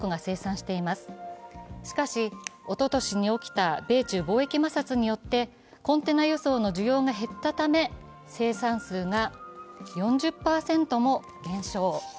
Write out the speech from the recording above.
しかし、おととしに起きた米中貿易摩擦によってコンテナ輸送の需要が減ったため、生産数が４０％も減少。